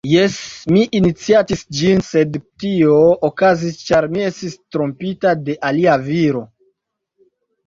Jes, mi iniciatis ĝin, sed tio okazis ĉar mi estis trompita de alia viro.